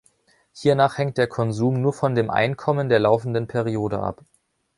Hiernach hängt der Konsum nur von dem Einkommen der laufenden Periode ab.